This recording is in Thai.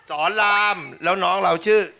สอนรามแล้วน้องเราชื่อ